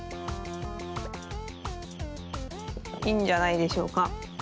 いいんじゃないでしょうか。